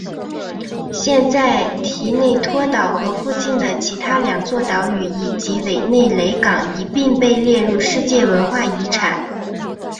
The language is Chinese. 现在提内托岛和附近的其他两座岛屿以及韦内雷港一并被列入世界文化遗产。